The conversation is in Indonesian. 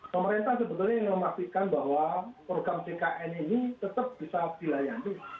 pemerintah sebetulnya memastikan bahwa program jkn ini tetap bisa dilayani